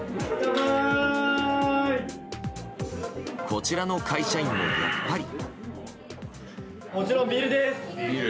こちらの会社員もやっぱり。